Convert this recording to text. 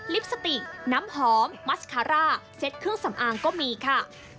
สติน้ำหอมมัสคาร่าเซ็ตเครื่องสำอางก็มีค่ะ